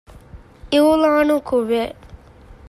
އިޢްލާނު ކުރޭ